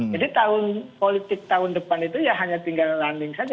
jadi tahun politik tahun depan itu ya hanya tinggal landing saja